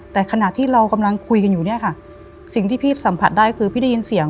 แต่ขณะที่เรากำลังคุยกันอยู่เนี่ยค่ะสิ่งที่พี่สัมผัสได้คือพี่ได้ยินเสียง